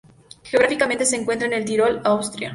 Geográficamente se encuentra en el Tirol, Austria.